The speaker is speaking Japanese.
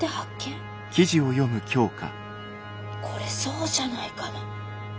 これそうじゃないかな。